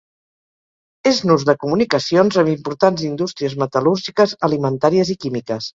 És nus de comunicacions, amb importants indústries metal·lúrgiques, alimentàries i químiques.